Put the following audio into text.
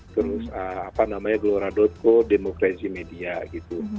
terus apa namanya gloradotko demokrasi media gitu